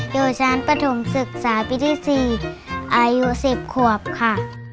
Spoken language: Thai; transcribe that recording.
อยู่ชั้นปฐมศึกษาปีที่๔อายุ๑๐ขวบค่ะ